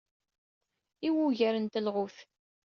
I wugar n telɣut.